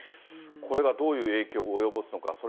これがどういう影響を及ぼすのか。